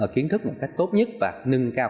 kiến thức một cách tốt nhất và nâng cao